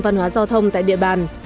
văn hóa giao thông tại địa bàn